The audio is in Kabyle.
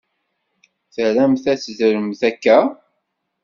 Tramt ad teddremt akka?